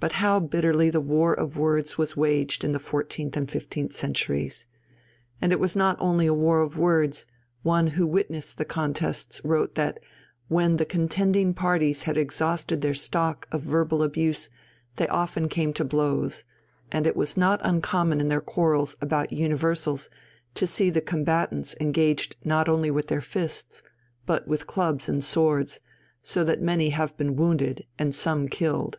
But how bitterly the war of words was waged in the fourteenth and fifteenth centuries! And it was not only a war of words; one who witnessed the contests wrote that "when the contending parties had exhausted their stock of verbal abuse, they often came to blows; and it was not uncommon in their quarrels about universals, to see the combatants engaged not only with their fists, but with clubs and swords, so that many have been wounded and some killed."